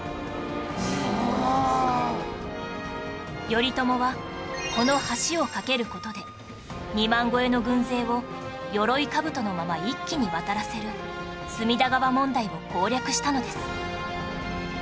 頼朝はこの橋を架ける事で２万超えの軍勢を鎧兜のまま一気に渡らせる隅田川問題を攻略したのです